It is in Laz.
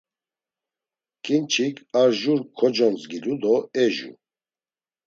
Ǩinçik ar jur koconzgilu do eju.